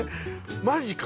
マジか。